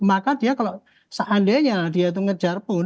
maka dia kalau seandainya dia itu ngejar pun